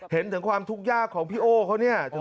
เห็นถึงความทุกข์ยากของพี่โอ้เขาเนี่ย